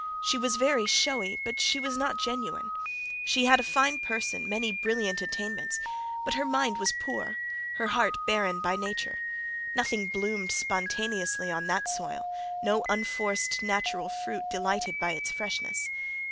She was very showy, but she was not genuine: she had a fine person, many brilliant attainments; but her mind was poor, her heart barren by nature: nothing bloomed spontaneously on that soil; no unforced natural fruit delighted by its freshness.